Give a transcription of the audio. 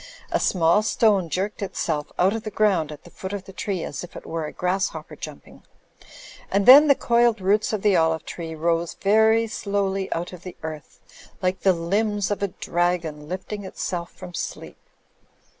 A small stone jerked itself out of the ground at the foot of the tree as if it were a grasshopper jumping; and then the coiled roots of the olive tree rose very slowly out of the earth like the limbs of a dragon lifting itself from sleep.